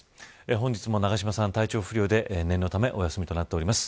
本日も永島さん、体調不良で念のためお休みとなります。